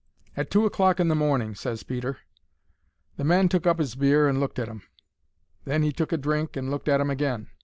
"At two o'clock in the morning," ses Peter. The man took up 'is beer and looked at 'em; then 'e took a drink and looked at 'em again.